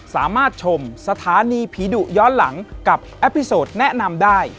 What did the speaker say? สามารถชมสถานีผีดุย้อนหลังกับแอปพลิโซดแนะนำได้